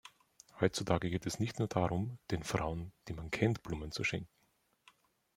Heutzutage geht es nicht nur darum, den Frauen, die man kennt, Blumen zu schenken.